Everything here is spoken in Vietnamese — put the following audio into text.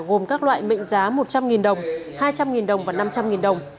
gồm các loại mệnh giá một trăm linh đồng hai trăm linh đồng và năm trăm linh đồng